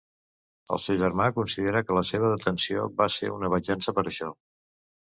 El seu germà considera que la seva detenció va ser una venjança per això.